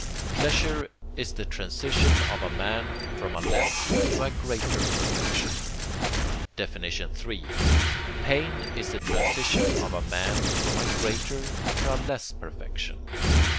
Pleasure is the transition of a man from a less to a greater perfection. III. Pain is the transition of a man from a greater to a less perfection.